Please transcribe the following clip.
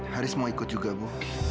haris mau ikut juga bu